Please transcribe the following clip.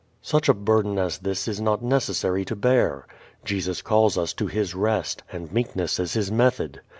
Such a burden as this is not necessary to bear. Jesus calls us to His rest, and meekness is His method.